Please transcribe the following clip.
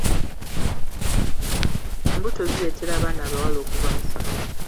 Embuto zireetera abaana abawala okuva mu ssomero.